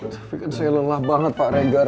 tapi kan saya lelah banget pak regar